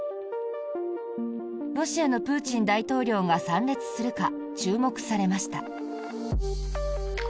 ロシアのプーチン大統領が参列するか注目されました。